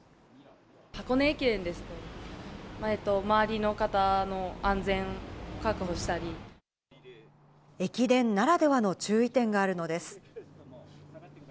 箱根駅伝ですと、駅伝ならではの注意点があるのです。